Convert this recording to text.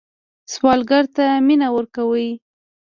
سوالګر ته مینه ورکوئ